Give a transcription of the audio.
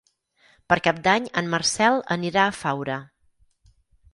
Per Cap d'Any en Marcel anirà a Faura.